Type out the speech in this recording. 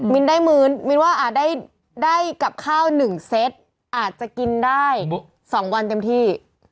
มิ้นได้หมืนมิ้นว่าอาจได้กับข้าวหนึ่งเซ็ตอาจจะกินได้สองวันเต็มที่